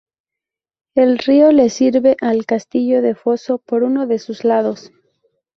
El río le sirve al castillo de foso por uno de sus lados.